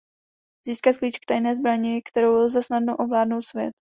Získat klíč k tajné zbrani kterou lze snadno ovládnout svět.